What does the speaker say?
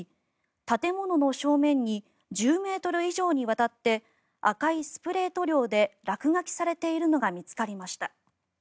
建物の正面に１０ｍ以上にわたって赤いスプレー塗料で落書きされているのが見つかりました。